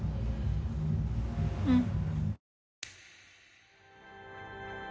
うん。